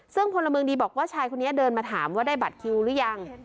ซึ่งพลเมืองดีบอกว่าชายคนนี้เดินมาถามว่าได้บัตรคิวหรือยัง